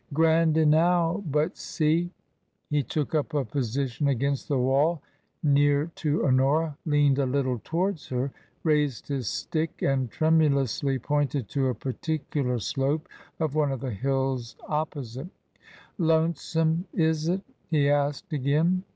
" Grand enow. But see !" He took up a position against the wall near to Honora, leaned a little towards her, raised his stick and tremu lously pointed to a particular slope of one of the hills opposite. " Lonesome is it ?" he asked again.